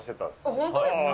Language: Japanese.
本当ですか？